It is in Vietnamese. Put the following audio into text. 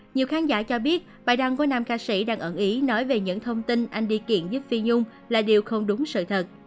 nhiều khán giả cho biết bài đăng của nam ca sĩ đang ẩn ý nói về những thông tin anh đi kiện giúp phi dung là điều không đúng sự thật